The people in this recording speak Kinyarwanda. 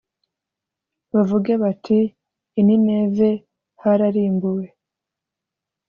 bavuge bati “I Nineve hararimbuwe.